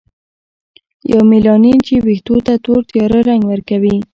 یومیلانین چې ویښتو ته تور تیاره رنګ ورکوي.